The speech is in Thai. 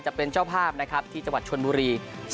จะเป็นเจ้าภาพนะครับที่จังหวัดชนบุรี